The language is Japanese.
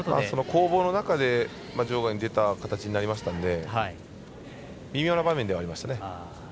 攻防の中で場外に出た形になりましたので微妙な場面ではありました。